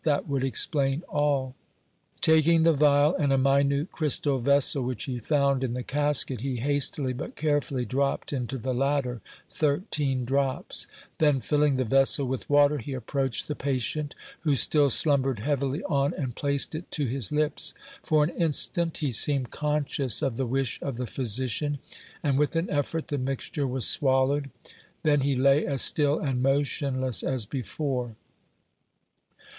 "That would explain all." Taking the vial and a minute crystal vessel, which he found in the casket, he hastily but carefully dropped into the latter thirteen drops. Then filling the vessel with water, he approached the patient, who still slumbered heavily on, and placed it to his lips. For an instant he seemed conscious of the wish of the physician, and with an effort the mixture was swallowed. Then he lay as still and motionless as before.